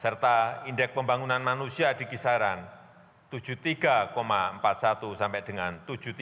serta indeks pembangunan manusia di kisaran tujuh puluh tiga empat puluh satu sampai dengan tujuh puluh tiga